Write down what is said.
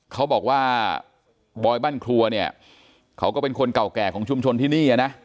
เขาบอกว่าบอยบ้านครัวเนี่ยเขาก็เป็นคนเก่าแก่ของชุมชนที่นี่นะ